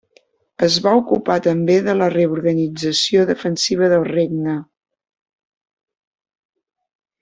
Es va ocupar també de la reorganització defensiva del regne.